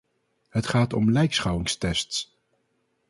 Het gaat om lijkschouwingstests.